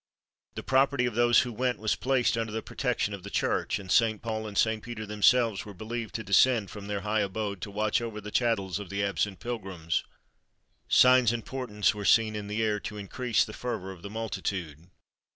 The property of those who went was placed under the protection of the Church, and St. Paul and St. Peter themselves were believed to descend from their high abode, to watch over the chattels of the absent pilgrims. Signs and portents were seen in the air, to increase the fervour of the multitude.